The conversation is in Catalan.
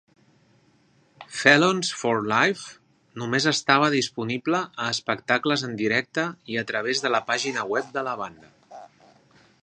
"Felons for Life" només estava disponible a espectacles en directe i a través de la pàgina web de la banda.